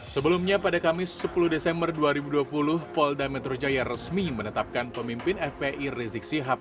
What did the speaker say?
sebelumnya pada kamis sepuluh desember dua ribu dua puluh polda metro jaya resmi menetapkan pemimpin fpi rizik sihab